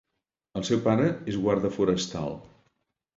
El seu pare és guarda forestal.